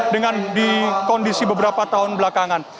dengan di kondisi beberapa tahun belakangan